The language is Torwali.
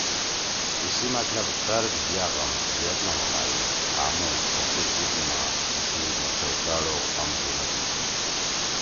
ایِسی مطلب (درد یا غم) یئد نہ ہوبھائی کھامُو پختو جیِب ما ایِسی مطلب ڈڑ او غم گھیِنَدی۔